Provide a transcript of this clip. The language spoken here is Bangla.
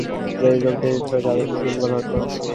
ইবলীস ফেরেশতাদেরই একটি গোত্রভুক্ত ছিল যাদেরকে জিন বলা হতো।